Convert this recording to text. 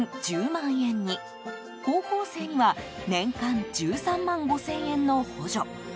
１０万円に高校生には年間１３万５０００円の補助。